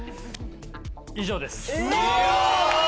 以上です。